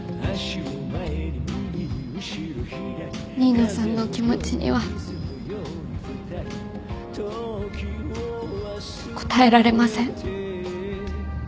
新名さんの気持ちには応えられません。